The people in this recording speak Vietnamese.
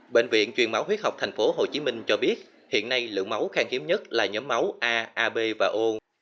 bệnh viện truyền máu huyết học tp hcm cho biết hiện nay lượng máu khang hiếm nhất là nhóm máu a ab và o